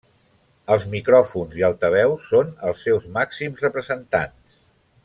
Els micròfons i altaveus són els seus màxims representants.